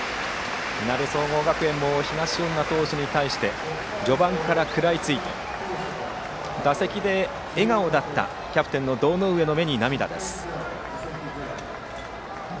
いなべ総合学園も東恩納投手に対して序盤から食らいついて打席では笑顔だったキャプテンの堂上の目に涙です。